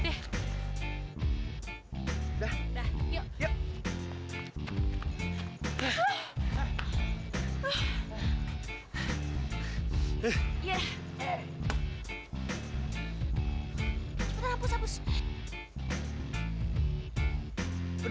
laura ya ampun